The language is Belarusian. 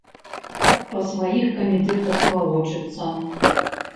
Па сваіх камітэтах валочыцца.